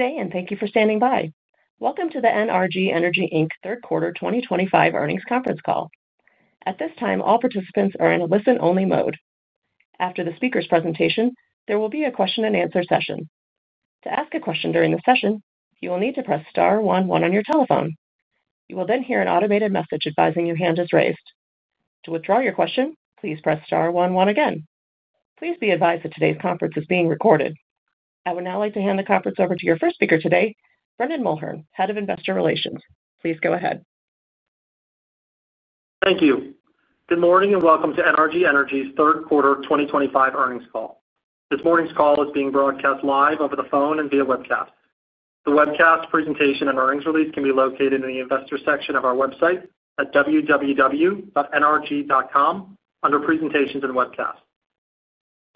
Today, and thank you for standing by. Welcome to the NRG Energy Inc Third Quarter 2025 Earnings Conference Call. At this time, all participants are in a listen-only mode. After the speaker's presentation, there will be a question-and-answer session. To ask a question during the session, you will need to press star one one on your telephone. You will then hear an automated message advising you hand is raised. To withdraw your question, please press star one one again. Please be advised that today's conference is being recorded. I would now like to hand the conference over to your first speaker today, Brendan Mulhern, Head of Investor Relations. Please go ahead. Thank you. Good morning and welcome to NRG Energy's Third Quarter 2025 Earnings Call. This morning's call is being broadcast live over the phone and via webcast. The webcast, presentation, and earnings release can be located in the investor section of our website at www.nrg.com under Presentations and Webcast.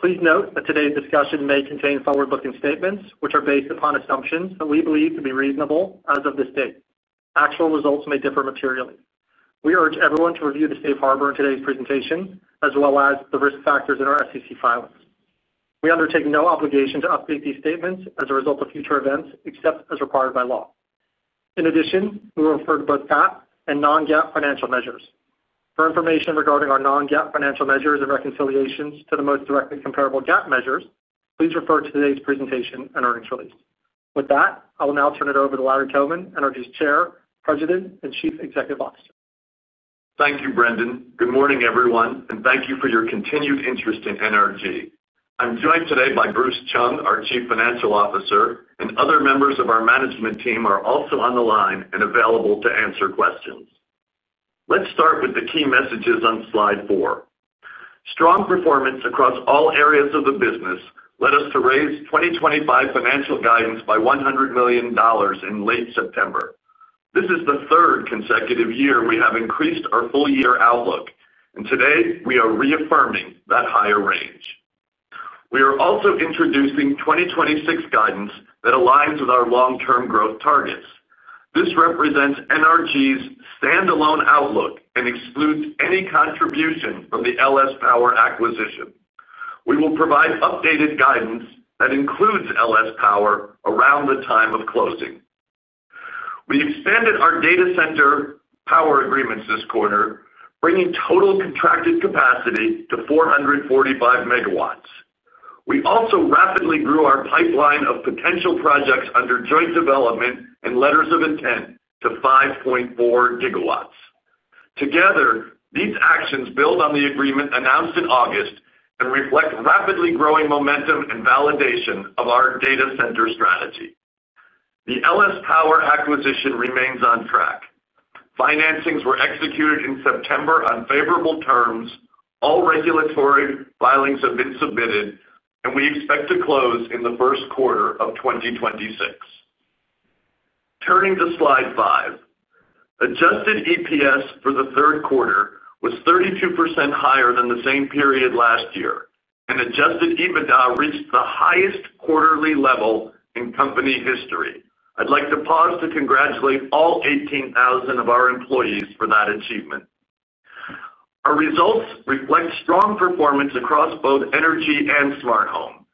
Please note that today's discussion may contain forward-looking statements which are based upon assumptions that we believe to be reasonable as of this date. Actual results may differ materially. We urge everyone to review the Safe Harbor in today's presentation as well as the risk factors in our SEC filings. We undertake no obligation to update these statements as a result of future events except as required by law. In addition, we will refer to both GAAP and non-GAAP financial measures. For information regarding our non-GAAP financial measures and reconciliations to the most directly comparable GAAP measures, please refer to today's presentation and earnings release. With that, I will now turn it over to Larry Coben, NRG's Chair, President, and Chief Executive Officer. Thank you, Brendan. Good morning, everyone, and thank you for your continued interest in NRG. I'm joined today by Bruce Chung, our Chief Financial Officer, and other members of our management team are also on the line and available to answer questions. Let's start with the key messages on slide four. Strong performance across all areas of the business led us to raise 2025 financial guidance by $100 million in late September. This is the third consecutive year we have increased our full-year outlook, and today we are reaffirming that higher range. We are also introducing 2026 guidance that aligns with our long-term growth targets. This represents NRG's standalone outlook and excludes any contribution from the LS Power acquisition. We will provide updated guidance that includes LS Power around the time of closing. We expanded our data center power agreements this quarter, bringing total contracted capacity to 445 MW. We also rapidly grew our pipeline of potential projects under joint development and letters of intent to 5.4 GW. Together, these actions build on the agreement announced in August and reflect rapidly growing momentum and validation of our data center strategy. The LS Power acquisition remains on track. Financings were executed in September on favorable terms. All regulatory filings have been submitted, and we expect to close in the first quarter of 2026. Turning to slide five. Adjusted EPS for the third quarter was 32% higher than the same period last year, and adjusted EBITDA reached the highest quarterly level in company history. I'd like to pause to congratulate all 18,000 of our employees for that achievement. Our results reflect strong performance across both energy and smart home.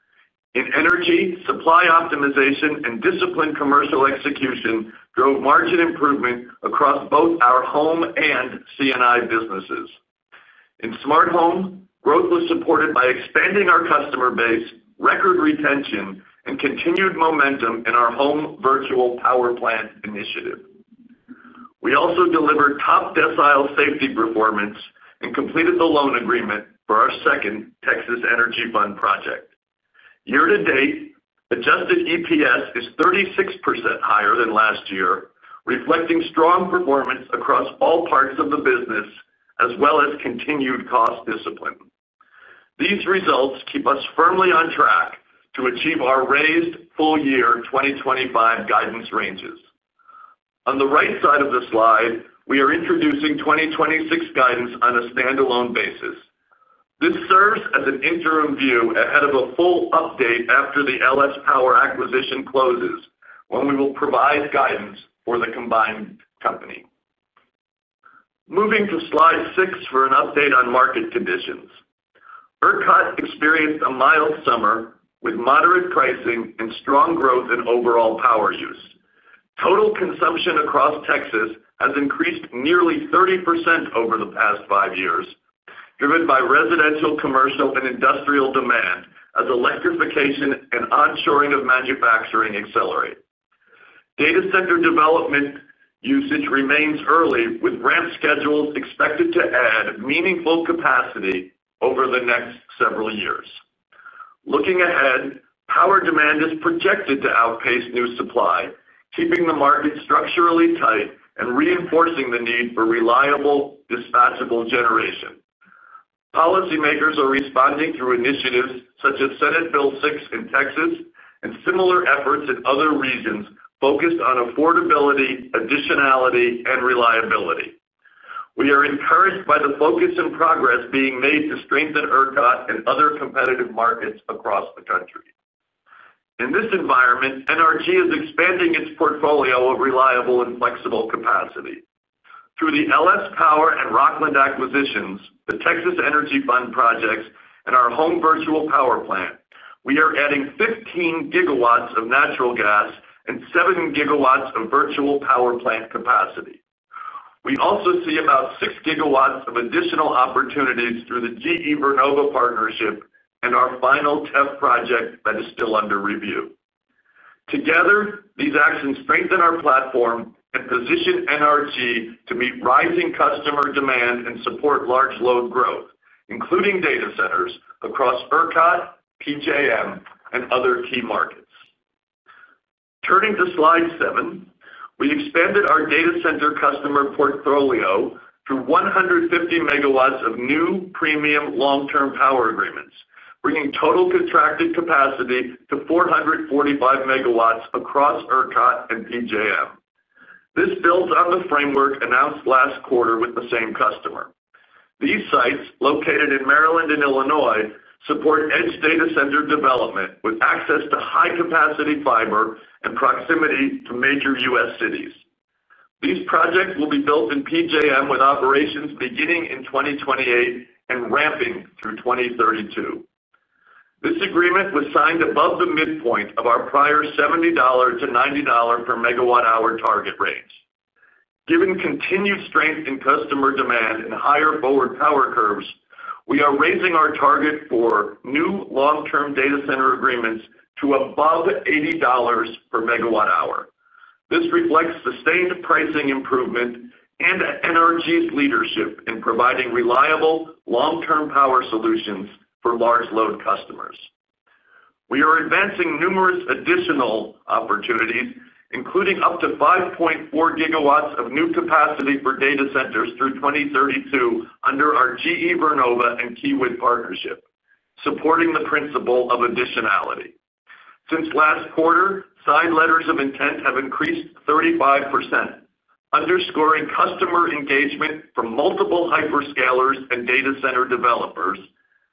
In energy, supply optimization, and disciplined commercial execution drove margin improvement across both our home and C&I businesses. In smart home, growth was supported by expanding our customer base, record retention, and continued momentum in our home virtual power plant initiative. We also delivered top decile safety performance and completed the loan agreement for our second Texas Energy Fund project. Year-to-date, adjusted EPS is 36% higher than last year, reflecting strong performance across all parts of the business as well as continued cost discipline. These results keep us firmly on track to achieve our raised full-year 2025 guidance ranges. On the right side of the slide, we are introducing 2026 guidance on a standalone basis. This serves as an interim view ahead of a full update after the LS Power acquisition closes, when we will provide guidance for the combined company. Moving to slide six for an update on market conditions. ERCOT experienced a mild summer with moderate pricing and strong growth in overall power use. Total consumption across Texas has increased nearly 30% over the past five years, driven by residential, commercial, and industrial demand as electrification and onshoring of manufacturing accelerate. Data center development usage remains early, with ramp schedules expected to add meaningful capacity over the next several years. Looking ahead, power demand is projected to outpace new supply, keeping the market structurally tight and reinforcing the need for reliable, dispatchable generation. Policymakers are responding through initiatives such as Senate Bill 6 in Texas and similar efforts in other regions focused on affordability, additionality, and reliability. We are encouraged by the focus and progress being made to strengthen ERCOT and other competitive markets across the country. In this environment, NRG is expanding its portfolio of reliable and flexible capacity. Through the LS Power and Rockland acquisitions, the Texas Energy Fund projects, and our home Virtual Power Plant, we are adding 15 GW of natural gas and 7 GW of Virtual Power Plant capacity. We also see about 6 GW of additional opportunities through the GE Vernova partnership and our final TEF project that is still under review. Together, these actions strengthen our platform and position NRG to meet rising customer demand and support large load growth, including data centers across ERCOT, PJM, and other key markets. Turning to slide seven, we expanded our data center customer portfolio to 150 megawatts of new premium long-term power agreements, bringing total contracted capacity to 445 MW across ERCOT and PJM. This builds on the framework announced last quarter with the same customer. These sites, located in Maryland and Illinois, support edge data center development with access to high-capacity fiber and proximity to major U.S. cities. These projects will be built in PJM with operations beginning in 2028 and ramping through 2032. This agreement was signed above the midpoint of our prior $70-$90 per MWh target range. Given continued strength in customer demand and higher forward power curves, we are raising our target for new long-term data center agreements to above $80 per MWh. This reflects sustained pricing improvement and NRG's leadership in providing reliable, long-term power solutions for large load customers. We are advancing numerous additional opportunities, including up to 5.4 GW of new capacity for data centers through 2032 under our GE Vernova and Kiewit partnership, supporting the principle of additionality. Since last quarter, signed letters of intent have increased 35%, underscoring customer engagement from multiple hyperscalers and data center developers,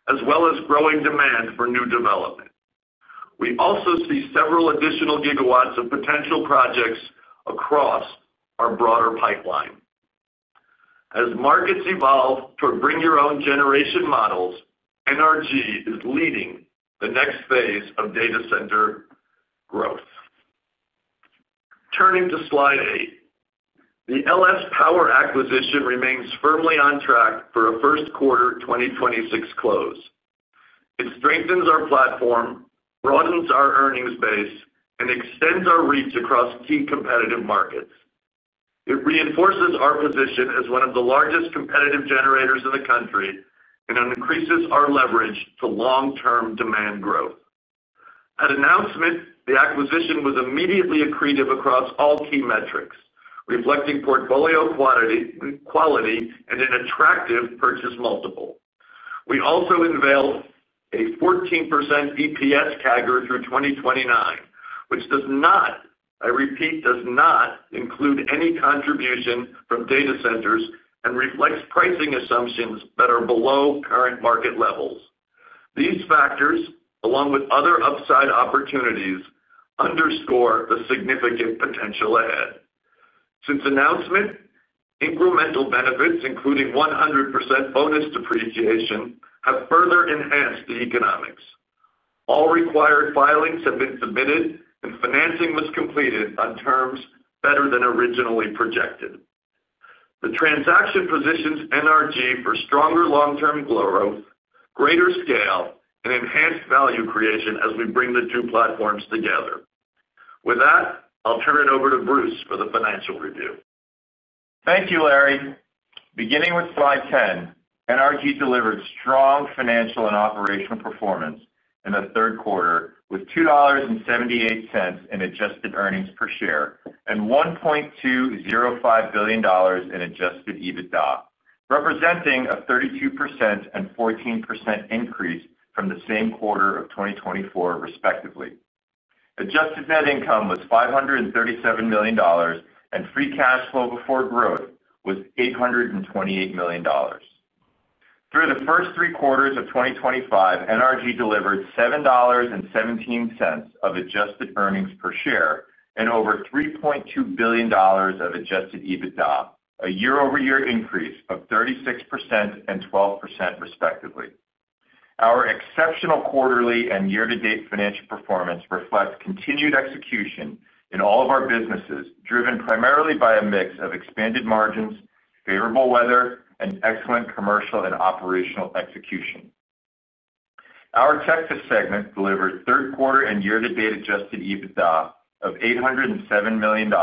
as well as growing demand for new development. We also see several additional gigawatts of potential projects across our broader pipeline. As markets evolve toward bring-your-own-generation models, NRG is leading the next phase of data center growth. Turning to slide eight, the LS Power acquisition remains firmly on track for a first quarter 2026 close. It strengthens our platform, broadens our earnings base, and extends our reach across key competitive markets. It reinforces our position as one of the largest competitive generators in the country and increases our leverage to long-term demand growth. At announcement, the acquisition was immediately accretive across all key metrics, reflecting portfolio quality and an attractive purchase multiple. We also unveiled a 14% EPS CAGR through 2029, which does not, I repeat, does not include any contribution from data centers and reflects pricing assumptions that are below current market levels. These factors, along with other upside opportunities, underscore the significant potential ahead. Since announcement, incremental benefits, including 100% bonus depreciation, have further enhanced the economics. All required filings have been submitted, and financing was completed on terms better than originally projected. The transaction positions NRG for stronger long-term growth, greater scale, and enhanced value creation as we bring the two platforms together. With that, I'll turn it over to Bruce for the financial review. Thank you, Larry. Beginning with slide 10, NRG delivered strong financial and operational performance in the third quarter with $2.78 in adjusted earnings per share and $1.205 billion in adjusted EBITDA, representing a 32% and 14% increase from the same quarter of 2024, respectively. Adjusted net income was $537 million, and free cash flow before growth was $828 million. Through the first three quarters of 2025, NRG delivered $7.17 of adjusted earnings per share and over $3.2 billion of adjusted EBITDA, a year-over-year increase of 36% and 12%, respectively. Our exceptional quarterly and year-to-date financial performance reflects continued execution in all of our businesses, driven primarily by a mix of expanded margins, favorable weather, and excellent commercial and operational execution. Our Texas segment delivered third quarter and year-to-date adjusted EBITDA of $807 million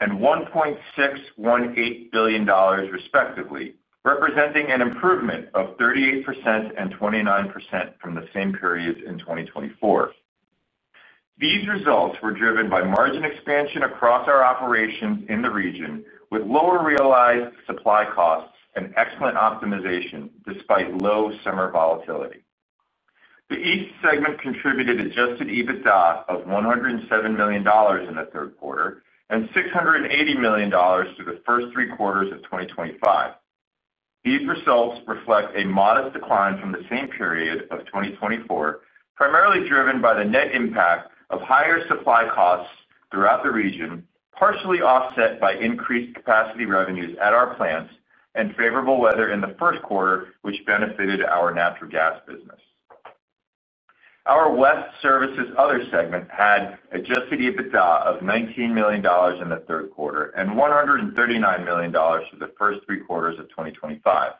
and $1.618 billion, respectively, representing an improvement of 38% and 29% from the same period in 2024. These results were driven by margin expansion across our operations in the region, with lower realized supply costs and excellent optimization despite low summer volatility. The east segment contributed adjusted EBITDA of $107 million in the third quarter and $680 million through the first three quarters of 2025. These results reflect a modest decline from the same period of 2024, primarily driven by the net impact of higher supply costs throughout the region, partially offset by increased capacity revenues at our plants and favorable weather in the first quarter, which benefited our natural gas business. Our west services other segment had adjusted EBITDA of $19 million in the third quarter and $139 million through the first three quarters of 2025.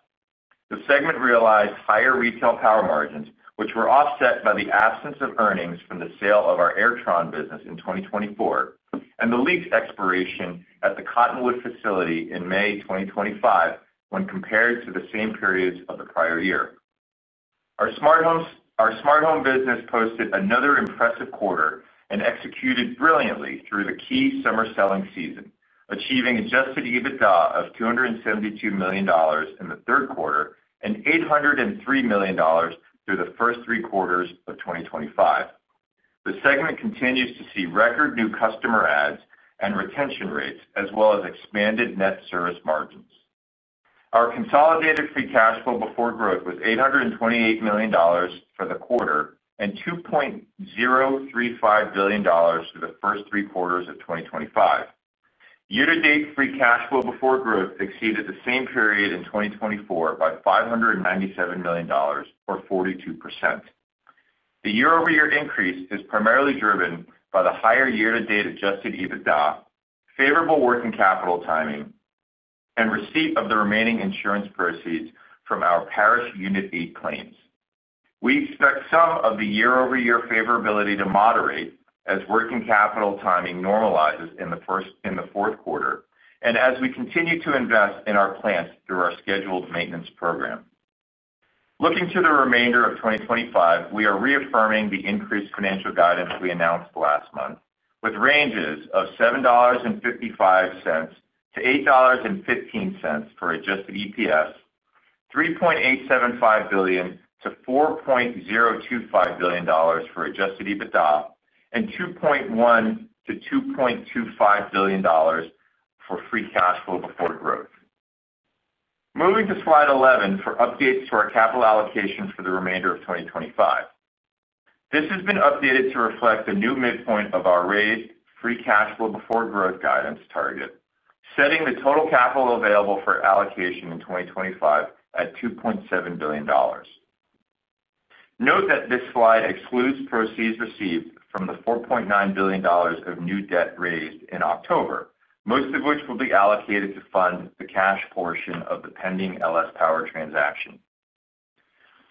The segment realized higher retail power margins, which were offset by the absence of earnings from the sale of our Airtron business in 2024 and the lease expiration at the Cottonwood facility in May 2025 when compared to the same periods of the prior year. Our smart home business posted another impressive quarter and executed brilliantly through the key summer selling season, achieving adjusted EBITDA of $272 million in the third quarter and $803 million through the first three quarters of 2025. The segment continues to see record new customer adds and retention rates, as well as expanded net service margins. Our consolidated free cash flow before growth was $828 million for the quarter and $2.035 billion through the first three quarters of 2025. Year-to-date free cash flow before growth exceeded the same period in 2024 by $597 million, or 42%. The year-over-year increase is primarily driven by the higher year-to-date adjusted EBITDA, favorable working capital timing, and receipt of the remaining insurance proceeds from our Parish Unit 8 claims. We expect some of the year-over-year favorability to moderate as working capital timing normalizes in the fourth quarter and as we continue to invest in our plants through our scheduled maintenance program. Looking to the remainder of 2025, we are reaffirming the increased financial guidance we announced last month, with ranges of $7.55-$8.15 for adjusted EPS, $3.875 billion-$4.025 billion for adjusted EBITDA, and $2.1 billion-$2.25 billion for free cash flow before growth. Moving to slide 11 for updates to our capital allocation for the remainder of 2025. This has been updated to reflect the new midpoint of our raised free cash flow before growth guidance target, setting the total capital available for allocation in 2025 at $2.7 billion. Note that this slide excludes proceeds received from the $4.9 billion of new debt raised in October, most of which will be allocated to fund the cash portion of the pending LS Power transaction.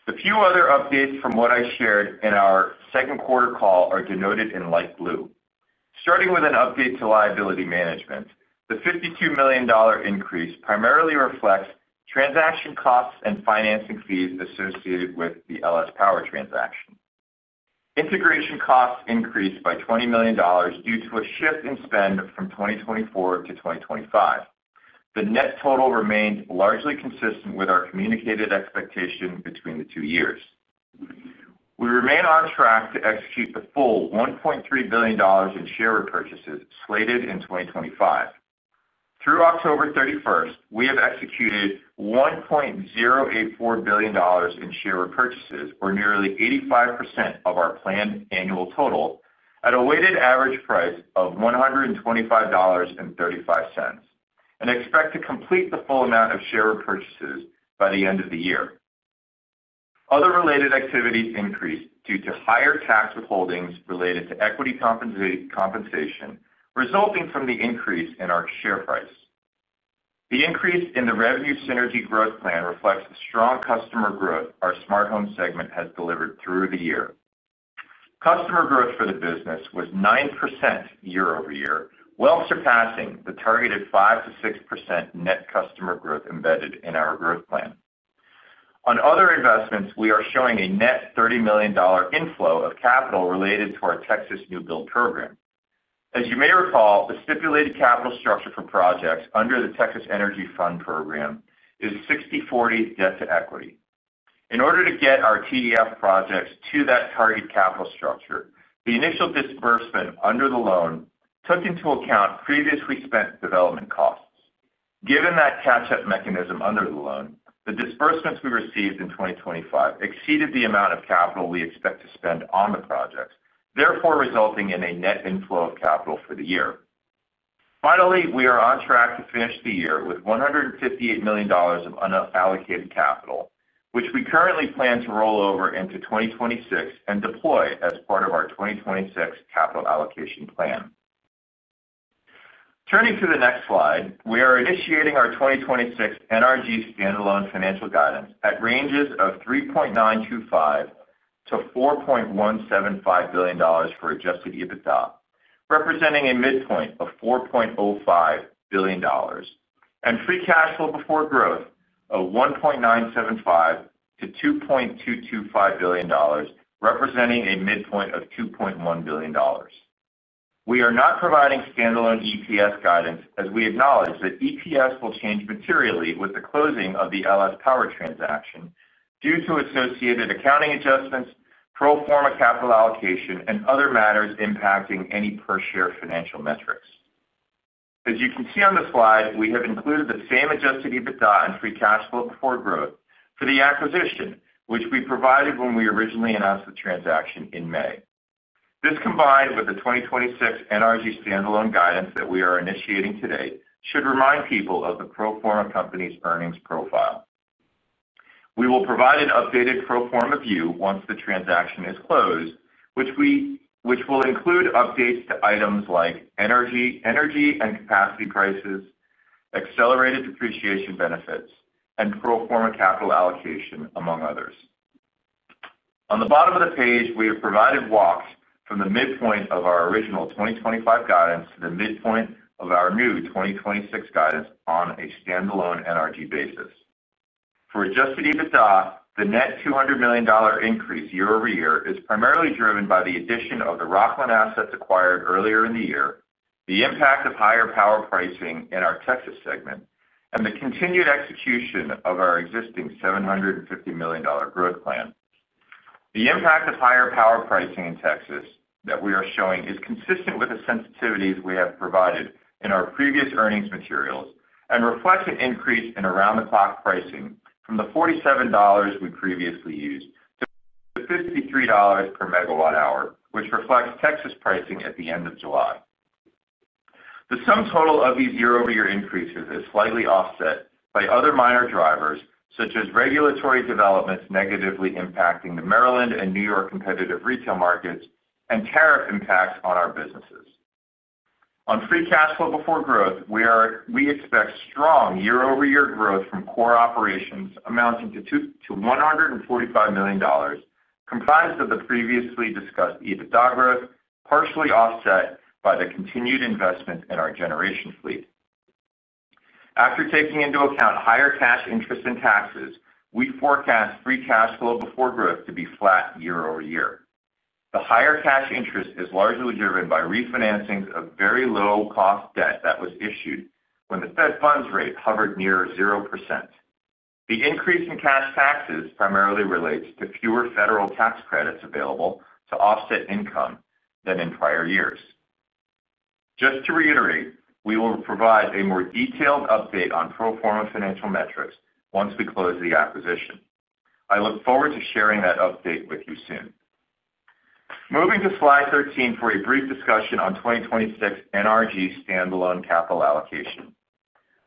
The few other updates from what I shared in our second quarter call are denoted in light blue. Starting with an update to liability management, the $52 million increase primarily reflects transaction costs and financing fees associated with the LS Power transaction. Integration costs increased by $20 million due to a shift in spend from 2024 to 2025. The net total remained largely consistent with our communicated expectation between the two years. We remain on track to execute the full $1.3 billion in share repurchases slated in 2025. Through October 31st, we have executed $1.084 billion in share repurchases, or nearly 85% of our planned annual total, at a weighted average price of $125.35, and expect to complete the full amount of share repurchases by the end of the year. Other related activities increased due to higher tax withholdings related to equity compensation, resulting from the increase in our share price. The increase in the revenue synergy growth plan reflects the strong customer growth our smart home segment has delivered through the year. Customer growth for the business was 9% year-over-year, well surpassing the targeted 5%-6% net customer growth embedded in our growth plan. On other investments, we are showing a net $30 million inflow of capital related to our Texas New Build program. As you may recall, the stipulated capital structure for projects under the Texas Energy Fund program is 60/40 debt to equity. In order to get our TEF projects to that target capital structure, the initial disbursement under the loan took into account previously spent development costs. Given that catch-up mechanism under the loan, the disbursements we received in 2025 exceeded the amount of capital we expect to spend on the projects, therefore resulting in a net inflow of capital for the year. Finally, we are on track to finish the year with $158 million of unallocated capital, which we currently plan to roll over into 2026 and deploy as part of our 2026 capital allocation plan. Turning to the next slide, we are initiating our 2026 NRG standalone financial guidance at ranges of $3.925 billion-$4.175 billion for adjusted EBITDA, representing a midpoint of $4.05 billion, and free cash flow before growth of $1.975 billion-$2.225 billion, representing a midpoint of $2.1 billion. We are not providing standalone EPS guidance, as we acknowledge that EPS will change materially with the closing of the LS Power transaction due to associated accounting adjustments, pro forma capital allocation, and other matters impacting any per-share financial metrics. As you can see on the slide, we have included the same adjusted EBITDA and free cash flow before growth for the acquisition, which we provided when we originally announced the transaction in May. This, combined with the 2026 NRG standalone guidance that we are initiating today, should remind people of the pro forma company's earnings profile. We will provide an updated pro forma view once the transaction is closed, which will include updates to items like energy and capacity prices, accelerated depreciation benefits, and pro forma capital allocation, among others. On the bottom of the page, we have provided walks from the midpoint of our original 2025 guidance to the midpoint of our new 2026 guidance on a standalone NRG basis. For adjusted EBITDA, the net $200 million increase year-over-year is primarily driven by the addition of the Rockland assets acquired earlier in the year, the impact of higher power pricing in our Texas segment, and the continued execution of our existing $750 million growth plan. The impact of higher power pricing in Texas that we are showing is consistent with the sensitivities we have provided in our previous earnings materials and reflects an increase in around-the-clock pricing from the $47 we previously used to $53 per MWh, which reflects Texas pricing at the end of July. The sum total of these year-over-year increases is slightly offset by other minor drivers, such as regulatory developments negatively impacting the Maryland and New York competitive retail markets and tariff impacts on our businesses. On free cash flow before growth, we expect strong year-over-year growth from core operations amounting to $145 million, comprised of the previously discussed EBITDA growth, partially offset by the continued investment in our generation fleet. After taking into account higher cash interest and taxes, we forecast free cash flow before growth to be flat year-over-year. The higher cash interest is largely driven by refinancing of very low-cost debt that was issued when the Fed funds rate hovered near 0%. The increase in cash taxes primarily relates to fewer federal tax credits available to offset income than in prior years. Just to reiterate, we will provide a more detailed update on pro forma financial metrics once we close the acquisition. I look forward to sharing that update with you soon. Moving to slide 13 for a brief discussion on 2026 NRG standalone capital allocation.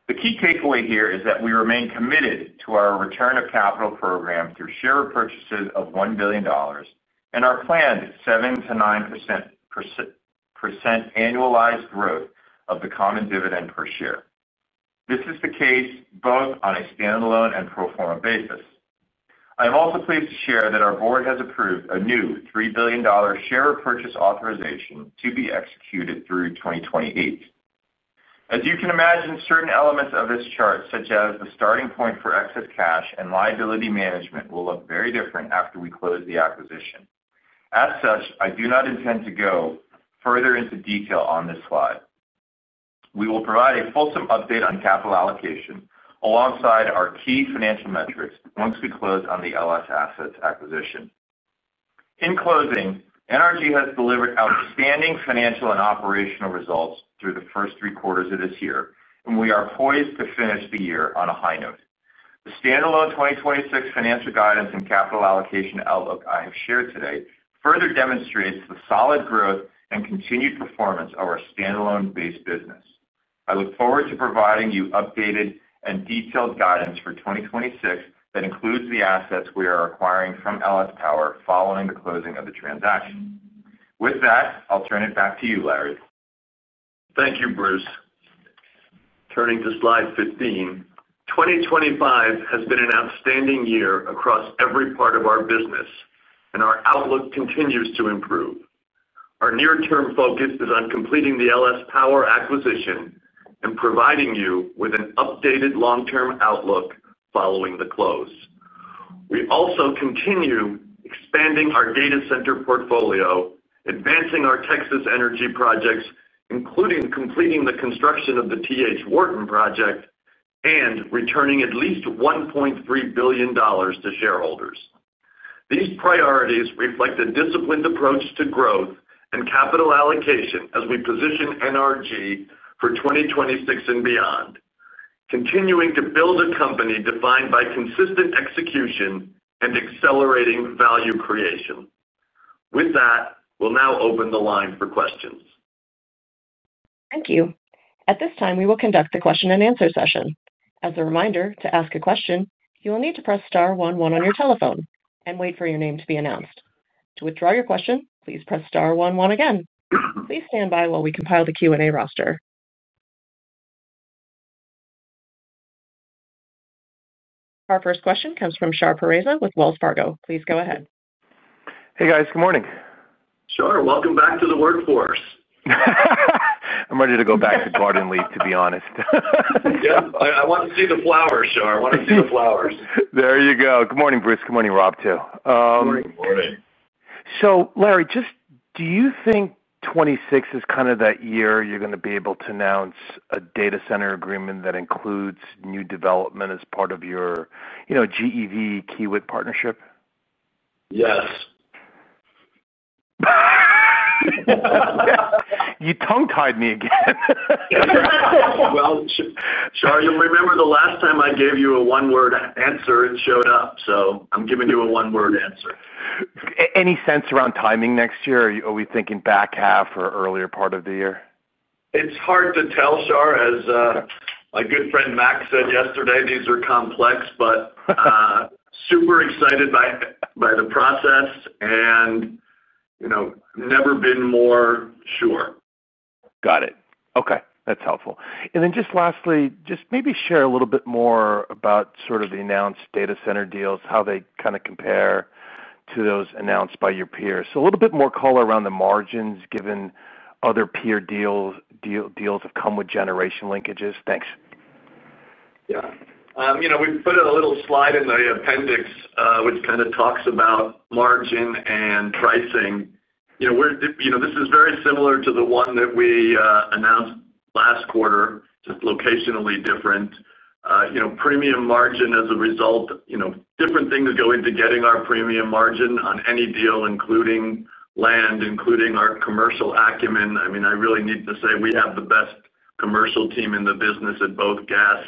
The key takeaway here is that we remain committed to our return of capital program through share purchases of $1 billion and our planned 7%-9% annualized growth of the common dividend per share. This is the case both on a standalone and pro forma basis. I am also pleased to share that our Board has approved a new $3 billion share purchase authorization to be executed through 2028. As you can imagine, certain elements of this chart, such as the starting point for excess cash and liability management, will look very different after we close the acquisition. As such, I do not intend to go further into detail on this slide. We will provide a fulsome update on capital allocation alongside our key financial metrics once we close on the LS Power assets acquisition. In closing, NRG has delivered outstanding financial and operational results through the first three quarters of this year, and we are poised to finish the year on a high note. The standalone 2026 financial guidance and capital allocation outlook I have shared today further demonstrates the solid growth and continued performance of our standalone-based business. I look forward to providing you updated and detailed guidance for 2026 that includes the assets we are acquiring from LS Power following the closing of the transaction. With that, I'll turn it back to you, Larry. Thank you, Bruce. Turning to slide 15, 2025 has been an outstanding year across every part of our business. Our outlook continues to improve. Our near-term focus is on completing the LS Power acquisition and providing you with an updated long-term outlook following the close. We also continue expanding our data center portfolio, advancing our Texas Energy projects, including completing the construction of the T.H. Wharton project and returning at least $1.3 billion to shareholders. These priorities reflect a disciplined approach to growth and capital allocation as we position NRG for 2026 and beyond, continuing to build a company defined by consistent execution and accelerating value creation. With that, we'll now open the line for questions. Thank you. At this time, we will conduct the question-and-answer session. As a reminder, to ask a question, you will need to press star one one on your telephone and wait for your name to be announced. To withdraw your question, please press star one one again. Please stand by while we compile the Q&A roster. Our first question comes from Shar Pourreza with Wells Fargo. Please go ahead. Hey, guys. Good morning. Shar, welcome back to the workforce. I'm ready to go back to guardian leave, to be honest. Yeah. I want to see the flowers, Shahriar. I want to see the flowers. There you go. Good morning, Bruce. Good morning, Rob, too. Larry, just do you think 2026 is kind of that year you're going to be able to announce a data center agreement that includes new development as part of your GEV-Kiewit partnership? Yes. You tongue-tied me again. Shar, you'll remember the last time I gave you a one-word answer, it showed up. So I'm giving you a one-word answer. Any sense around timing next year? Are we thinking back half or earlier part of the year? It's hard to tell, Shar, as my good friend Max said yesterday, these are complex, but super excited by the process and never been more sure. Got it. Okay. That's helpful. And then just lastly, just maybe share a little bit more about sort of the announced data center deals, how they kind of compare to those announced by your peers. A little bit more color around the margins given other peer deals have come with generation linkages. Thanks. Yeah. We have put a little slide in the appendix which kind of talks about margin and pricing. This is very similar to the one that we announced last quarter, just locationally different. Premium margin as a result. Different things go into getting our premium margin on any deal, including land, including our commercial acumen. I mean, I really need to say we have the best commercial team in the business at both gas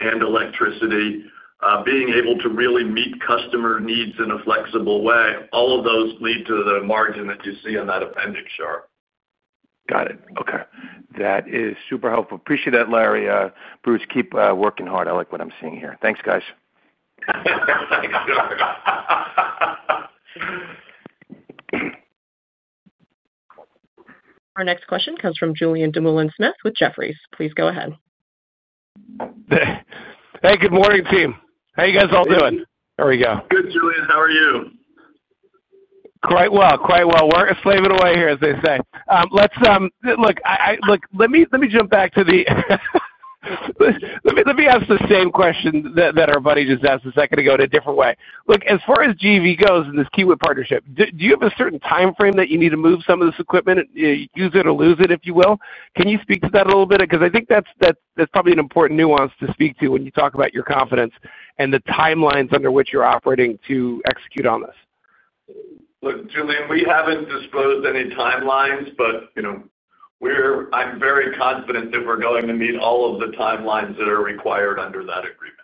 and electricity. Being able to really meet customer needs in a flexible way, all of those lead to the margin that you see in that appendix, Shar. Got it. Okay. That is super helpful. Appreciate that, Larry. Bruce, keep working hard. I like what I am seeing here. Thanks, guys. Our next question comes from Julien Dumoulin-Smith with Jefferies. Please go ahead. Hey, good morning, team. How are you guys all doing? There we go. Good, Julien. How are you? Quite well. Quite well. We're slaving away here, as they say. Look. Let me jump back to the—let me ask the same question that our buddy just asked a second ago in a different way. Look, as far as GEV goes and this Kiewit partnership, do you have a certain timeframe that you need to move some of this equipment, use it or lose it, if you will? Can you speak to that a little bit? Because I think that's probably an important nuance to speak to when you talk about your confidence and the timelines under which you're operating to execute on this. Look, Julien, we haven't disclosed any timelines, but I'm very confident that we're going to meet all of the timelines that are required under that agreement.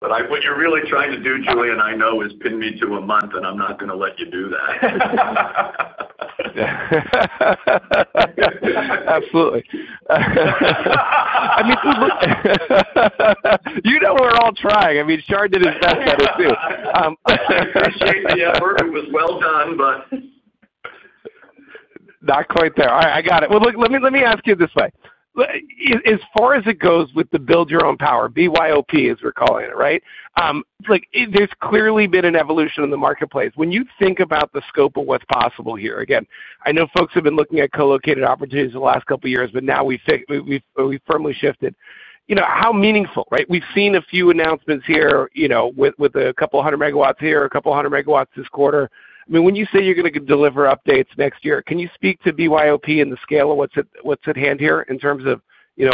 What you're really trying to do, Julien, I know, is pin me to a month, and I'm not going to let you do that. Absolutely. I mean, you know we're all trying. I mean, Shar did his best at it, too. I appreciate the effort. It was well done, but not quite there. All right. I got it. Let me ask you this way. As far as it goes with the build-your-own-power, BYOP, as we're calling it, right. There's clearly been an evolution in the marketplace. When you think about the scope of what's possible here, again, I know folks have been looking at co-located opportunities the last couple of years, but now we've firmly shifted. How meaningful, right? We've seen a few announcements here with a couple of hundred MW here, a couple of hundred MW this quarter. I mean, when you say you're going to deliver updates next year, can you speak to BYOP and the scale of what's at hand here in terms of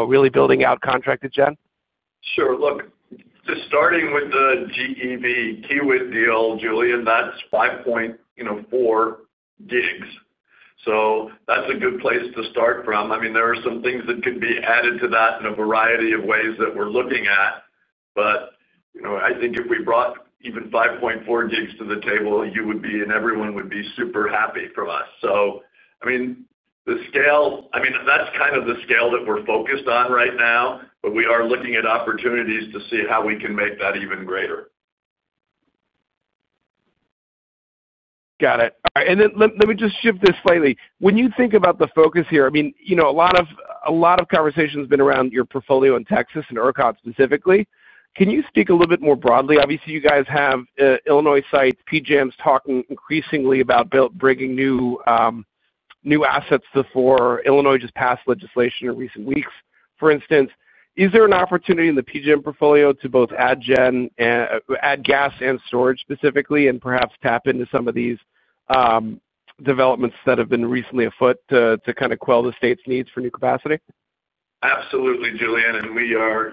really building out contract at Gen? Sure. Look, just starting with the GEV-Kiewit deal, Julien, that's 5.4 GW. So that's a good place to start from. I mean, there are some things that could be added to that in a variety of ways that we're looking at. But I think if we brought even 5.4 GW to the table, you would be and everyone would be super happy for us. I mean, the scale, I mean, that's kind of the scale that we're focused on right now, but we are looking at opportunities to see how we can make that even greater. Got it. All right. Let me just shift this slightly. When you think about the focus here, I mean, a lot of conversation has been around your portfolio in Texas and ERCOT specifically. Can you speak a little bit more broadly? Obviously, you guys have Illinois sites, PJM is talking increasingly about bringing new assets to, for Illinois just passed legislation in recent weeks. For instance, is there an opportunity in the PJM portfolio to both add gas and storage specifically and perhaps tap into some of these developments that have been recently afoot to kind of quell the state's needs for new capacity? Absolutely, Julien. We are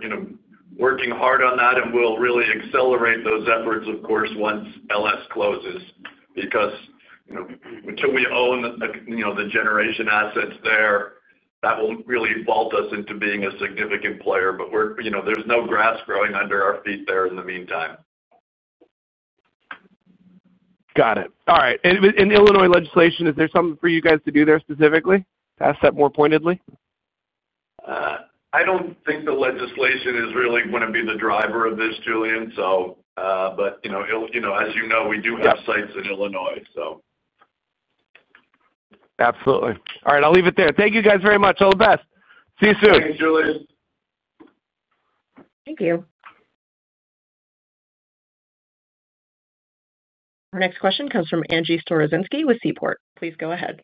working hard on that, and we'll really accelerate those efforts, of course, once LS closes. Because until we own the generation assets there, that will really vault us into being a significant player. There is no grass growing under our feet there in the meantime. Got it. All right. Illinois legislation, is there something for you guys to do there specifically to asset more pointedly? I do not think the legislation is really going to be the driver of this, Julien. As you know, we do have sites in Illinois. Absolutely. All right. I'll leave it there. Thank you guys very much. All the best. See you soon. Thanks, Julien. Thank you. Our next question comes from Angie Storozynski with Seaport. Please go ahead.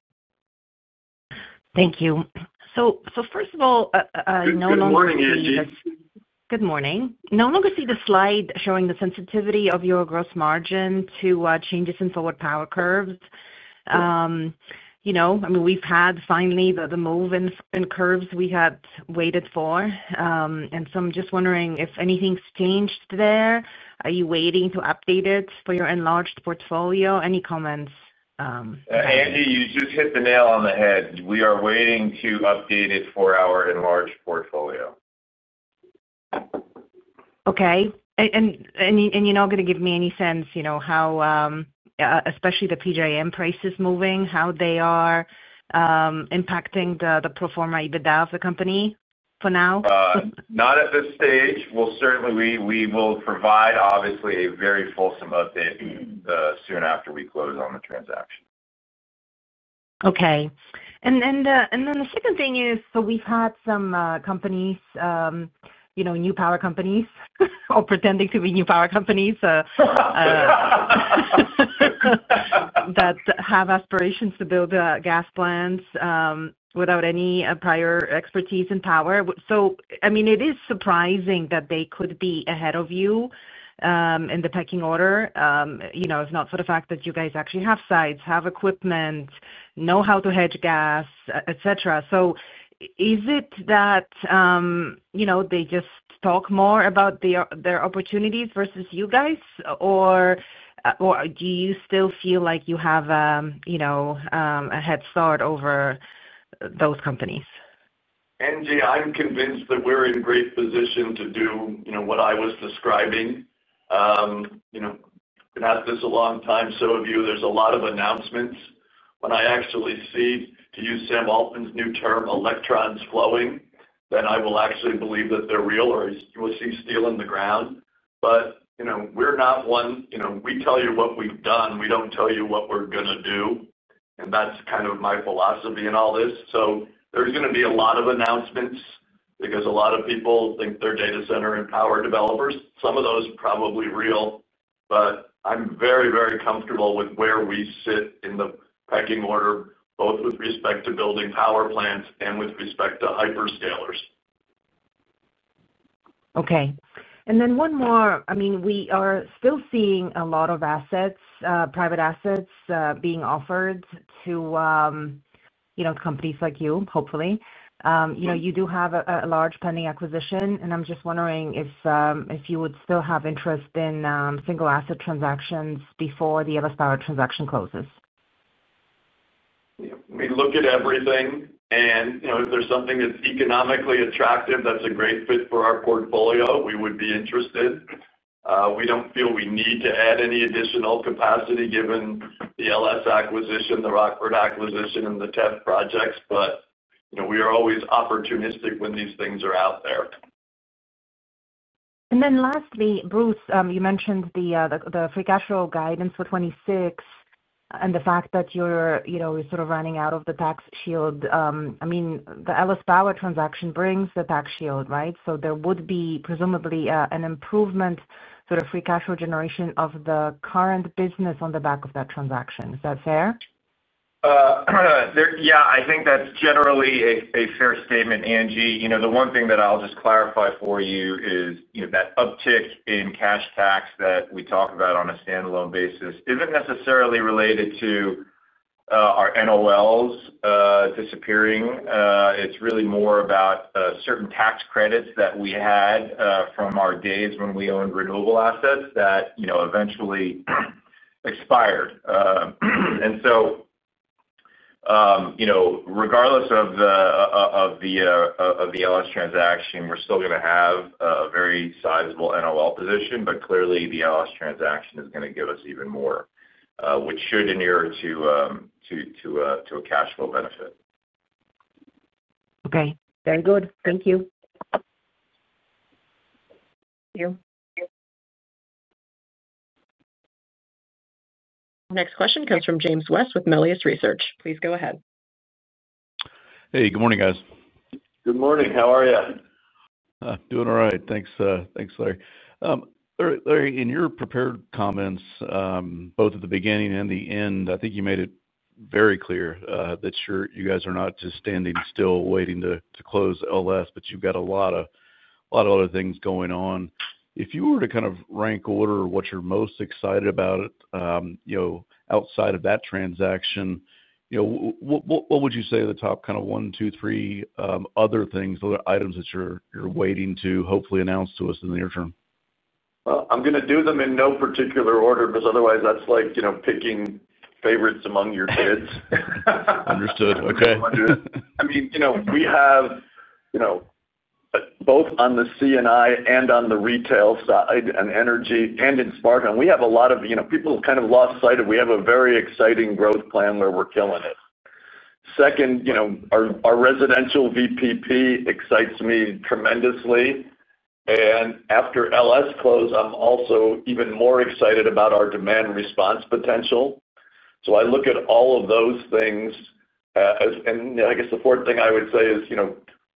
Thank you. First of all, no longer seeing the. Good morning, Angie. Good morning. No longer see the slide showing the sensitivity of your gross margin to changes in forward power curves. I mean, we've had finally the move in curves we had waited for. I am just wondering if anything's changed there. Are you waiting to update it for your enlarged portfolio? Any comments? Angie, you just hit the nail on the head. We are waiting to update it for our enlarged portfolio. Okay. You are not going to give me any sense how, especially the PJM price is moving, how they are impacting the pro forma EBITDA of the company for now? Not at this stage. We will provide, obviously, a very fulsome update soon after we close on the transaction. Okay. The second thing is, we've had some companies, new power companies or pretending to be new power companies that have aspirations to build gas plants without any prior expertise in power. I mean, it is surprising that they could be ahead of you in the pecking order, if not for the fact that you guys actually have sites, have equipment, know how to hedge gas, etc. Is it that they just talk more about their opportunities versus you guys, or do you still feel like you have a head start over those companies? Angie, I'm convinced that we're in a great position to do what I was describing. I've been at this a long time, so have you. There's a lot of announcements. When I actually see, to use Sam Altman's new term, electrons flowing, then I will actually believe that they're real or we'll see steel in the ground. We are not one to tell you what we've done. We do not tell you what we are going to do. That is kind of my philosophy in all this. There are going to be a lot of announcements because a lot of people think they are data center and power developers. Some of those are probably real, but I am very, very comfortable with where we sit in the pecking order, both with respect to building power plants and with respect to hyperscalers. Okay. One more. I mean, we are still seeing a lot of private assets being offered to companies like you, hopefully. You do have a large pending acquisition, and I am just wondering if you would still have interest in single asset transactions before the LS Power transaction closes. We look at everything, and if there is something that is economically attractive that is a great fit for our portfolio, we would be interested. We do not feel we need to add any additional capacity given the LS acquisition, the Rockland acquisition, and the TEF projects, but we are always opportunistic when these things are out there. Lastly, Bruce, you mentioned the free cash flow guidance for 2026. The fact that you are sort of running out of the tax shield. I mean, the LS Power transaction brings the tax shield, right? So there would be presumably an improvement. Free cash flow generation of the current business on the back of that transaction. Is that fair? Yeah. I think that is generally a fair statement, Angie. The one thing that I will just clarify for you is that uptick in cash tax that we talk about on a standalone basis is not necessarily related to our NOLs disappearing. It's really more about certain tax credits that we had from our days when we owned renewable assets that eventually expired. And so, regardless of the LS transaction, we're still going to have a very sizable NOL position, but clearly, the LS transaction is going to give us even more, which should inherit to a cash flow benefit. Okay. Very good. Thank you. Thank you. Next question comes from James West with Melius Research. Please go ahead. Hey, good morning, guys. Good morning. How are you? Doing all right. Thanks, Larry. Larry, in your prepared comments, both at the beginning and the end, I think you made it very clear that you guys are not just standing still waiting to close LS, but you've got a lot of other things going on. If you were to kind of rank order what you're most excited about outside of that transaction. What would you say are the top kind of one, two, three other things, other items that you're waiting to hopefully announce to us in the near term? I'm going to do them in no particular order because otherwise, that's like picking favorites among your kids. Understood. Okay. I mean, we have both on the C&I and on the retail side and energy and in smart home, we have a lot of people kind of lost sight of we have a very exciting growth plan where we're killing it. Second, our residential VPP excites me tremendously. And after LS closed, I'm also even more excited about our demand response potential. I look at all of those things. I guess the fourth thing I would say is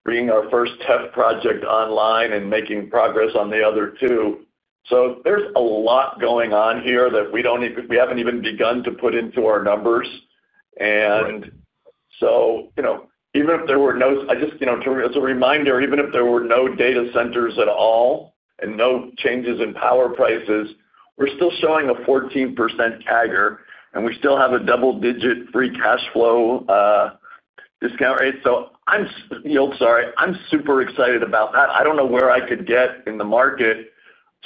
bringing our first TEF project online and making progress on the other two. There is a lot going on here that we have not even begun to put into our numbers. Even if there were no—just as a reminder, even if there were no data centers at all and no changes in power prices, we are still showing a 14% CAGR, and we still have a double-digit free cash flow. Discount rate. I am super excited about that. I do not know where I could get in the market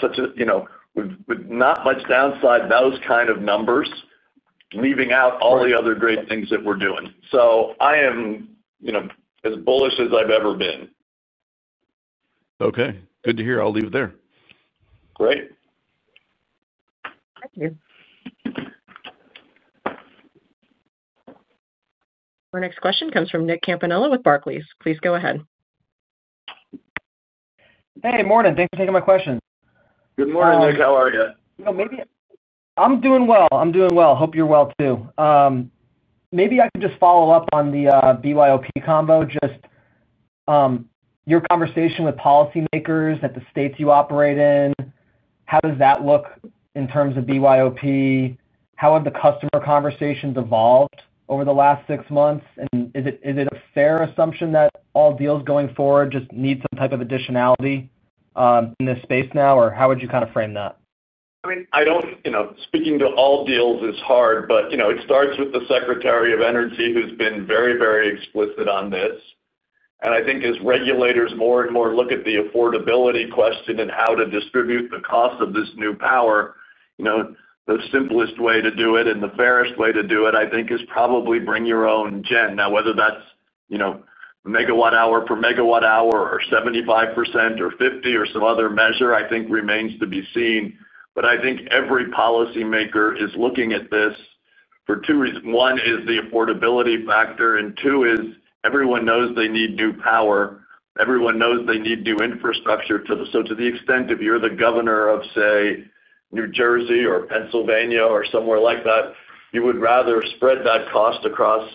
with not much downside, those kind of numbers, leaving out all the other great things that we are doing. I am as bullish as I have ever been. Okay. Good to hear. I will leave it there. Great. Thank you. Our next question comes from Nick Campanella with Barclays. Please go ahead. Hey, morning. Thanks for taking my question. Good morning, Nick. How are you? I am doing well. I am doing well. Hope you are well, too. Maybe I can just follow up on the BYOP combo, just. Your conversation with policymakers at the states you operate in. How does that look in terms of BYOP? How have the customer conversations evolved over the last six months? Is it a fair assumption that all deals going forward just need some type of additionality in this space now, or how would you kind of frame that? I mean, speaking to all deals is hard, but it starts with the Secretary of Energy who's been very, very explicit on this. I think as regulators more and more look at the affordability question and how to distribute the cost of this new power. The simplest way to do it and the fairest way to do it, I think, is probably bring your own gen. Now, whether that's megawatt hour per megawatt hour or 75% or 50% or some other measure, I think, remains to be seen. I think every policymaker is looking at this for two reasons. One is the affordability factor, and two is everyone knows they need new power. Everyone knows they need new infrastructure. To the extent if you're the governor of, say, New Jersey or Pennsylvania or somewhere like that, you would rather spread that cost across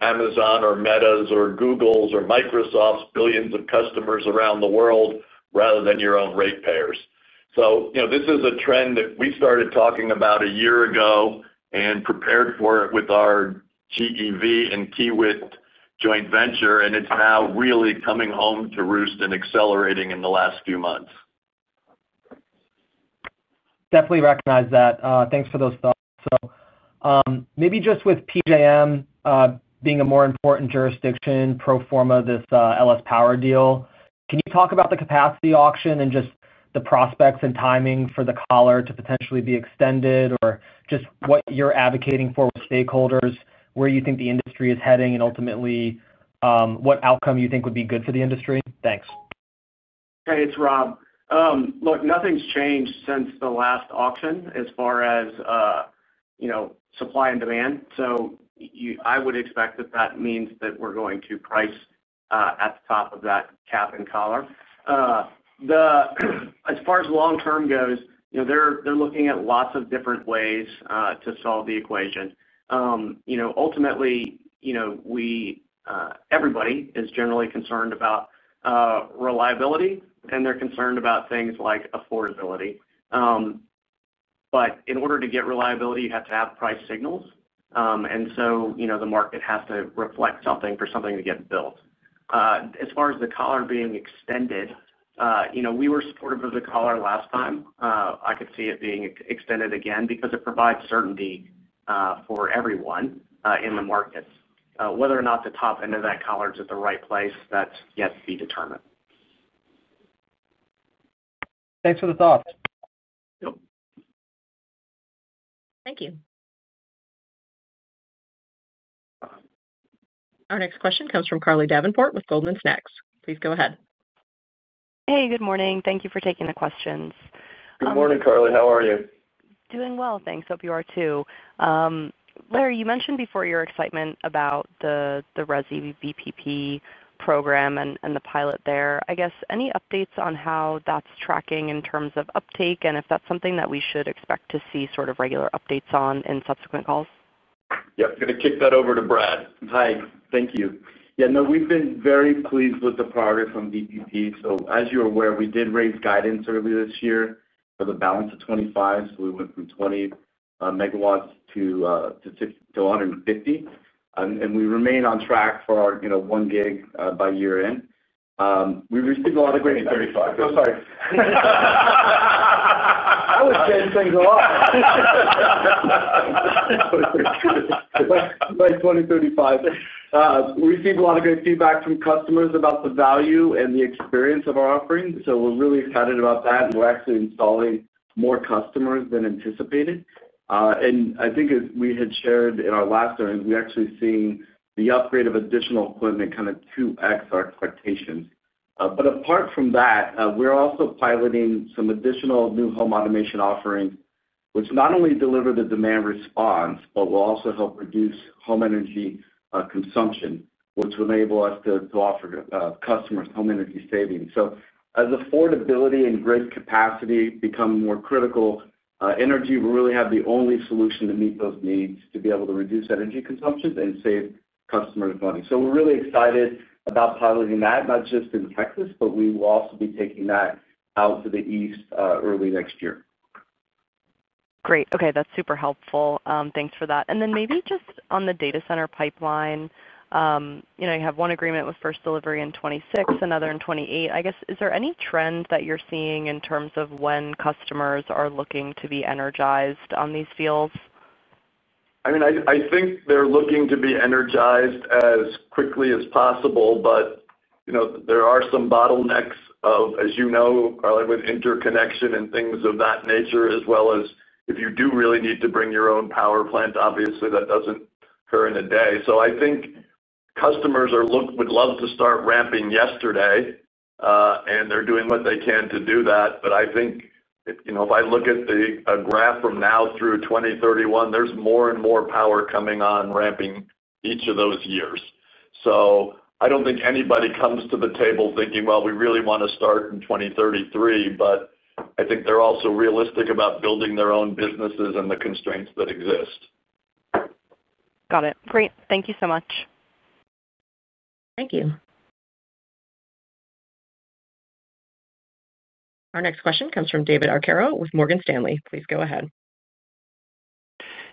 Amazon or Meta's or Google's or Microsoft's billions of customers around the world rather than your own ratepayers. This is a trend that we started talking about a year ago and prepared for it with our GEV and Kiewit joint venture, and it's now really coming home to roost and accelerating in the last few months. Definitely recognize that. Thanks for those thoughts. Maybe just with PJM being a more important jurisdiction pro forma this LS Power deal, can you talk about the capacity auction and just the prospects and timing for the collar to potentially be extended or just what you're advocating for with stakeholders, where you think the industry is heading, and ultimately what outcome you think would be good for the industry? Thanks. Hey, it's Rob. Look, nothing's changed since the last auction as far as supply and demand. I would expect that that means that we're going to price at the top of that cap and collar. As far as long-term goes, they're looking at lots of different ways to solve the equation. Ultimately, everybody is generally concerned about reliability, and they're concerned about things like affordability. In order to get reliability, you have to have price signals. The market has to reflect something for something to get built. As far as the collar being extended, we were supportive of the collar last time. I could see it being extended again because it provides certainty for everyone in the markets. Whether or not the top end of that collar is at the right place, that's yet to be determined. Thanks for the thought. Thank you. Our next question comes from Carly Davenport with Goldman Sachs. Please go ahead. Hey, good morning. Thank you for taking the questions. Good morning, Carly. How are you? Doing well, thanks. Hope you are too. Larry, you mentioned before your excitement about the resi-VPP program and the pilot there. I guess any updates on how that's tracking in terms of uptake and if that's something that we should expect to see sort of regular updates on in subsequent calls? I'm going to kick that over to Brad. Hi. Thank you. Yeah. No, we've been very pleased with the progress on VPP. As you're aware, we did raise guidance earlier this year for the balance of 2025. We went from 20 MW to 150 MW. We remain on track for our 1 GW by year-end 2035. I'm sorry. That would change things a lot. By 2035. We received a lot of great feedback from customers about the value and the experience of our offering. We're really excited about that. We're actually installing more customers than anticipated. I think as we had shared in our last interview, we're actually seeing the upgrade of additional equipment kind of 2x our expectations. Apart from that, we're also piloting some additional new home automation offerings, which not only deliver the demand response, but will also help reduce home energy consumption, which will enable us to offer customers home energy savings. As affordability and grid capacity become more critical, NRG really has the only solution to meet those needs to be able to reduce energy consumption and save customers money. We're really excited about piloting that, not just in Texas, but we will also be taking that out to the east early next year. Great. Okay. That's super helpful. Thanks for that. Maybe just on the data center pipeline. You have one agreement with first delivery in 2026, another in 2028. I guess, is there any trend that you're seeing in terms of when customers are looking to be energized on these fields? I mean, I think they're looking to be energized as quickly as possible, but there are some bottlenecks, as you know, with interconnection and things of that nature, as well as if you do really need to bring your own power plant, obviously, that doesn't occur in a day. I think customers would love to start ramping yesterday. They're doing what they can to do that. I think if I look at a graph from now through 2031, there's more and more power coming on, ramping each of those years. I don't think anybody comes to the table thinking, "Well, we really want to start in 2033," but I think they're also realistic about building their own businesses and the constraints that exist. Got it. Great. Thank you so much. Thank you. Our next question comes from David Arcaro with Morgan Stanley. Please go ahead.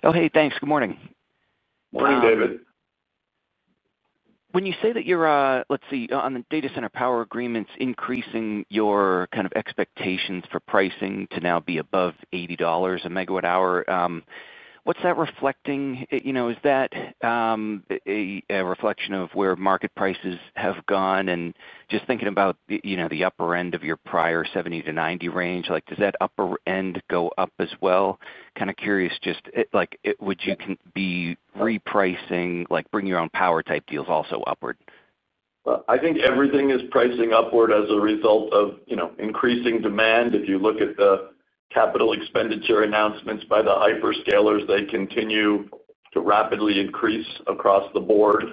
Oh, hey, thanks. Good morning. Morning, David. When you say that you're, let's see, on the data center power agreements increasing your kind of expectations for pricing to now be above $80 a megawatt-hour, what's that reflecting? Is that a reflection of where market prices have gone? Just thinking about the upper end of your prior $70-$90 range, does that upper end go up as well? Kind of curious, just would you be repricing, bringing your own power type deals also upward? I think everything is pricing upward as a result of increasing demand. If you look at the capital expenditure announcements by the hyperscalers, they continue to rapidly increase across the board.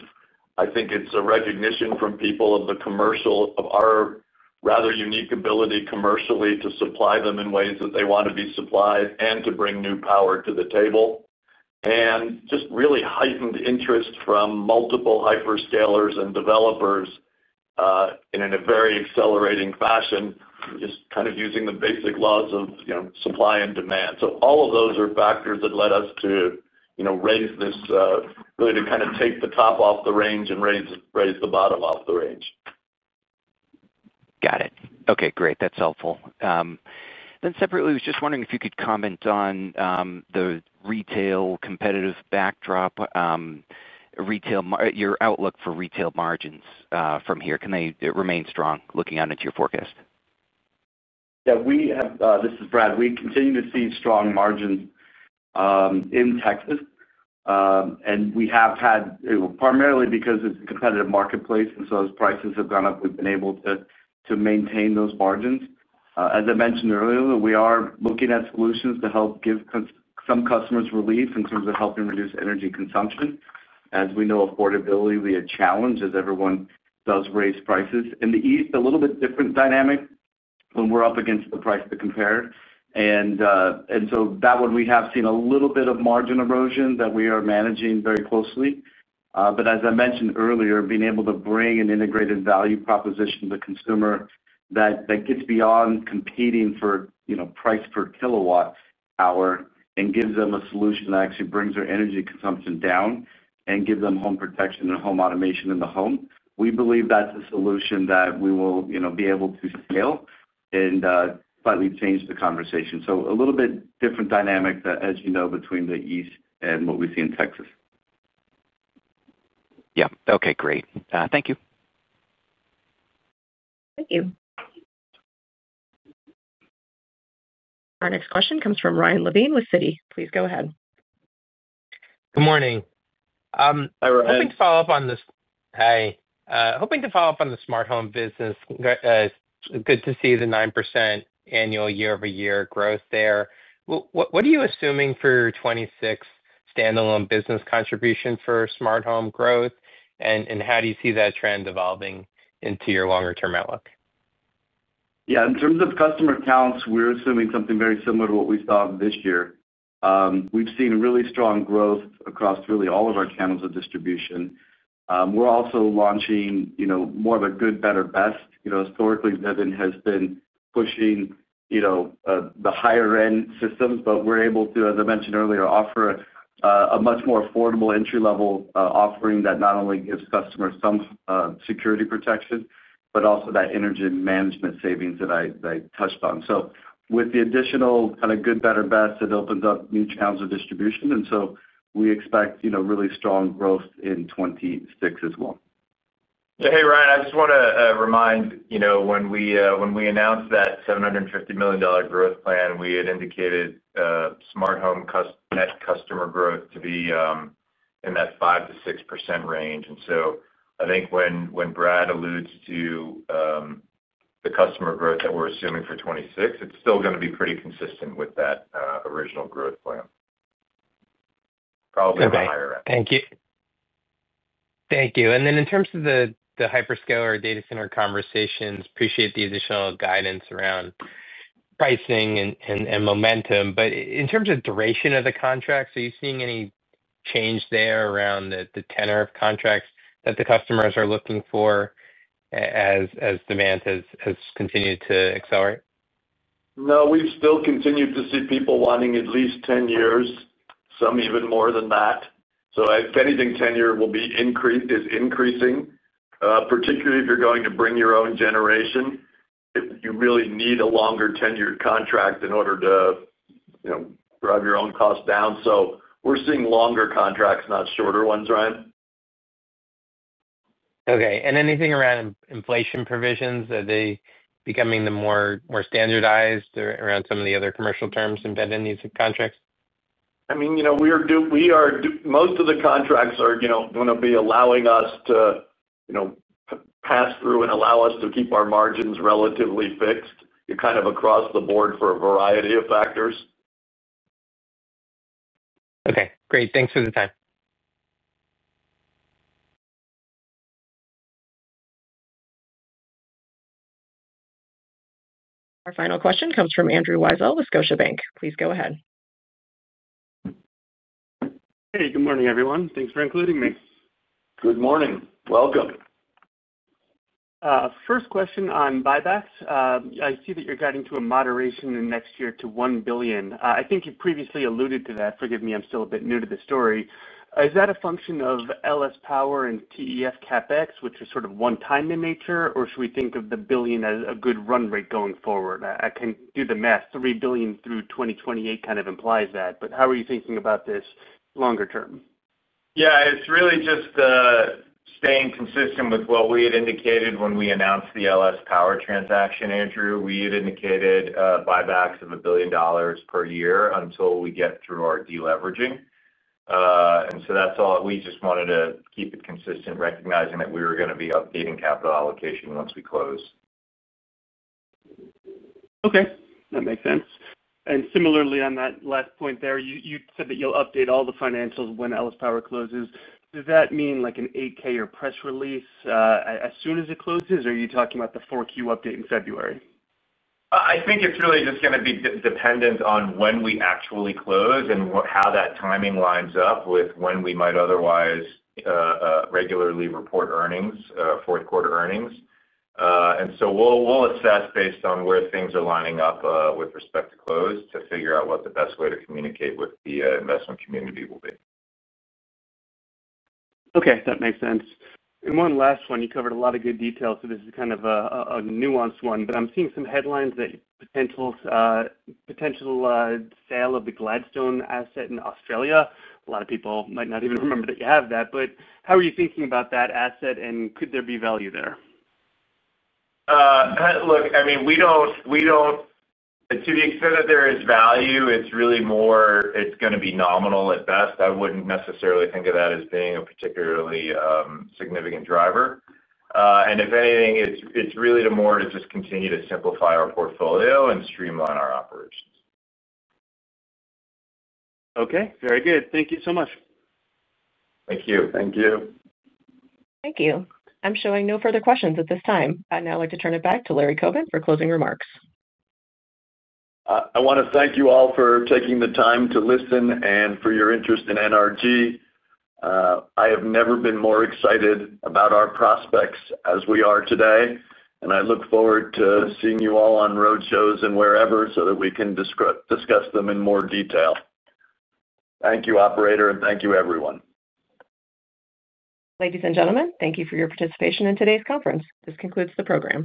I think it's a recognition from people of our rather unique ability commercially to supply them in ways that they want to be supplied and to bring new power to the table. Just really heightened interest from multiple hyperscalers and developers. In a very accelerating fashion, just kind of using the basic laws of supply and demand. All of those are factors that led us to raise this, really to kind of take the top off the range and raise the bottom off the range. Got it. Okay. Great. That's helpful. Separately, I was just wondering if you could comment on the retail competitive backdrop. Your outlook for retail margins from here. Can they remain strong looking out into your forecast? Yeah. This is Brad. We continue to see strong margins in Texas. We have had primarily because it's a competitive marketplace, and as prices have gone up, we've been able to maintain those margins. As I mentioned earlier, we are looking at solutions to help give some customers relief in terms of helping reduce energy consumption. As we know, affordability will be a challenge as everyone does raise prices. In the east, a little bit different dynamic when we're up against the price to compare. That one, we have seen a little bit of margin erosion that we are managing very closely. As I mentioned earlier, being able to bring an integrated value proposition to the consumer that gets beyond competing for price per kilowatt-hour and gives them a solution that actually brings their energy consumption down and gives them home protection and home automation in the home, we believe that's a solution that we will be able to scale and slightly change the conversation. A little bit different dynamic, as you know, between the east and what we see in Texas. Yeah. Okay. Great. Thank you. Thank you. Our next question comes from Ryan Levine with Citi. Please go ahead. Good morning. Hi. Hoping to follow up on this—hey. Hoping to follow up on the smart home business. Good to see the 9% annual year-over-year growth there. What are you assuming for your 2026 standalone business contribution for smart home growth, and how do you see that trend evolving into your longer-term outlook? Yeah. In terms of customer talents, we're assuming something very similar to what we saw this year. We've seen really strong growth across really all of our channels of distribution. We're also launching more of a good, better, best. Historically, Vivint has been pushing the higher-end systems, but we're able to, as I mentioned earlier, offer a much more affordable entry-level offering that not only gives customers some security protection, but also that energy management savings that I touched on. With the additional kind of good, better, best, it opens up new channels of distribution. We expect really strong growth in 2026 as well. Hey, Ryan, I just want to remind when we announced that $750 million growth plan, we had indicated smart home net customer growth to be in that 5%-6% range. I think when Brad alludes to the customer growth that we're assuming for 2026, it's still going to be pretty consistent with that original growth plan, probably in the higher end. Okay. Thank you. Thank you. In terms of the hyperscaler data center conversations, appreciate the additional guidance around pricing and momentum. In terms of duration of the contracts, are you seeing any change there around the tenor of contracts that the customers are looking for as demand has continued to accelerate? No, we've still continued to see people wanting at least 10 years, some even more than that. If anything, tenure is increasing. Particularly if you're going to bring your own generation. You really need a longer tenured contract in order to drive your own costs down. We're seeing longer contracts, not shorter ones, Ryan. Okay. Anything around inflation provisions? Are they becoming more standardized around some of the other commercial terms embedded in these contracts? I mean, we are. Most of the contracts are going to be allowing us to pass through and allow us to keep our margins relatively fixed kind of across the board for a variety of factors. Okay. Great. Thanks for the time. Our final question comes from Andrew Weisel, Scotiabank. Please go ahead. Hey, good morning, everyone. Thanks for including me. Good morning. Welcome. First question on buybacks. I see that you're guiding to a moderation in next year to $1 billion. I think you previously alluded to that. Forgive me. I'm still a bit new to the story. Is that a function of LS Power and TEF CapEx, which are sort of one-time in nature, or should we think of the billion as a good run rate going forward? I can do the math. $3 billion through 2028 kind of implies that. How are you thinking about this longer term? Yeah. It's really just staying consistent with what we had indicated when we announced the LS Power transaction, Andrew. We had indicated buybacks of $1 billion per year until we get through our deleveraging. That's all. We just wanted to keep it consistent, recognizing that we were going to be updating capital allocation once we close. Okay. That makes sense. Similarly, on that last point there, you said that you'll update all the financials when LS Power closes. Does that mean an 8K or press release as soon as it closes, or are you talking about the 4Q update in February? I think it's really just going to be dependent on when we actually close and how that timing lines up with when we might otherwise regularly report earnings, fourth-quarter earnings. We will assess based on where things are lining up with respect to close to figure out what the best way to communicate with the investment community will be. Okay. That makes sense. One last one. You covered a lot of good detail, so this is kind of a nuanced one. I'm seeing some headlines that potential sale of the Gladstone asset in Australia. A lot of people might not even remember that you have that. But how are you thinking about that asset, and could there be value there? Look, I mean, we do not. To the extent that there is value, it is really more it is going to be nominal at best. I would not necessarily think of that as being a particularly significant driver. If anything, it is really more to just continue to simplify our portfolio and streamline our operations. Okay. Very good. Thank you so much. Thank you. Thank you. Thank you. I am showing no further questions at this time. I would now like to turn it back to Larry Coben for closing remarks. I want to thank you all for taking the time to listen and for your interest in NRG. I have never been more excited about our prospects as we are today. I look forward to seeing you all on road shows and wherever so that we can discuss them in more detail. Thank you, operator, and thank you, everyone. Ladies and gentlemen, thank you for your participation in today's conference. This concludes the program.